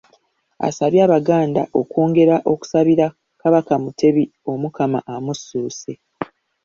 Asabye abaganda okwongera okusabira Kabaka Mutebi Omukama amussuuse